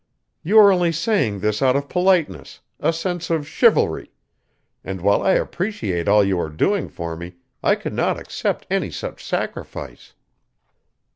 "You are only saying this out of politeness, a sense of chivalry, and while I appreciate all you are doing for me I could not accept any such sacrifice."